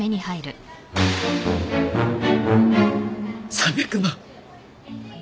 ３００万！